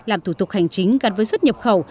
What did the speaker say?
cơ quan làm thủ tục hành chính gắn với xuất nhập khẩu